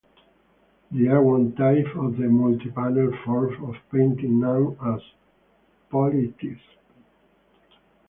They are one type of the multi-panel forms of painting known as "polyptychs".